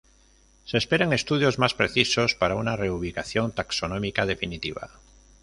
Se esperan estudios más precisos para una reubicación taxonómica definitiva.